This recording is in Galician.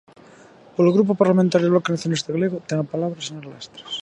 Polo Grupo Parlamentario do Bloque Nacionalista Galego, ten a palabra a señora Lastres.